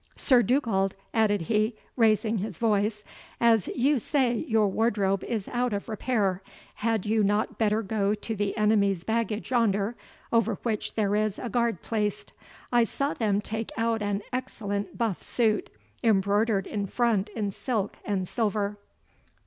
Sir Dugald," added he, raising his voice, "as you say your wardrobe is out of repair, had you not better go to the enemy's baggage yonder, over which there is a guard placed? I saw them take out an excellent buff suit, embroidered in front in silk and silver."